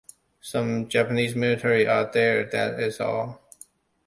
Some Japanese military are there, that is all.